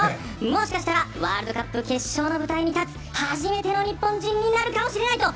もしかしたらワールドカップ決勝の舞台に立つ初めての日本人になるかもしれないと。